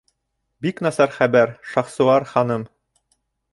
Бик насар хәбәр, Шахсуар ханым.